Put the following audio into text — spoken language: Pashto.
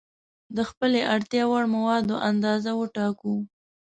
د خپلې اړتیا وړ موادو اندازه وټاکو.